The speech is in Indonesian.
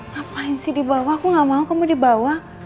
ngapain sih di bawah aku gak mau kamu dibawa